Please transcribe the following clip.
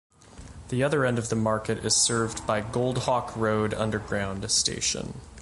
The other end of the market is served by Goldhawk Road Underground station.